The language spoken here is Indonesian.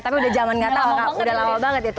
tapi udah jaman ketahuan udah lama banget